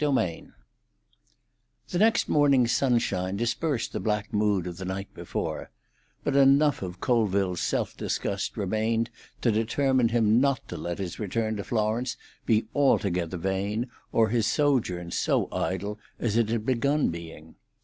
VII The next morning's sunshine dispersed the black mood of the night before; but enough of Colville's self disgust remained to determine him not to let his return to Florence be altogether vain, or his sojourn so idle as it had begun being.